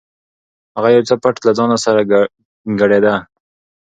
هغه یو څه پټ له ځانه سره ګړېده.